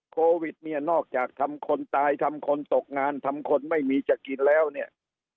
โควิดเนี่ยนอกจากทำคนตายทำคนตกงานทำคนไม่มีจะกินแล้วเนี่ย